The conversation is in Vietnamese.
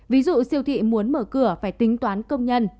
ví dụ siêu thị muốn mở cửa phải tính toán công nhân